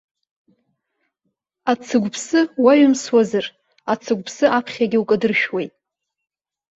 Ацыгәԥсы уаҩымсуазар, ацыгәԥсы аԥхьагьы укадыршәуеит.